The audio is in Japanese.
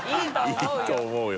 「いいと思うよ」